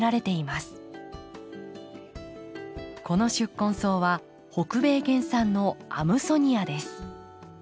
この宿根草は北米原産のアムソニアです。